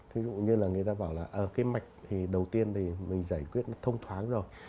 thí dụ như là người ta bảo là ở cái mạch thì đầu tiên thì mình giải quyết nó thông thoáng rồi